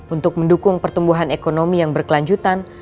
untuk mendukung pertumbuhan ekonomi yang berkelanjutan